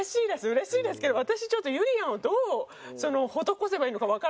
嬉しいですけど私ちょっとゆりやんをどう施せばいいのかわからないというか。